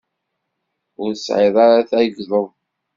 Ur tesεiḍ ara tagdeḍ.